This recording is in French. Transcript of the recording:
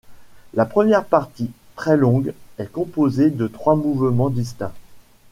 La première partie, très longue, est composée de trois mouvements distincts.